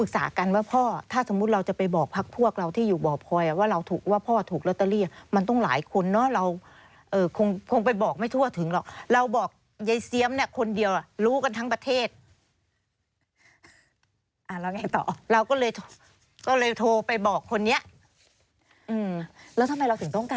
ต้องการให้คนในบ่อพลอยรู้ว่าเราถูกลอตเตอรี่หรือคะ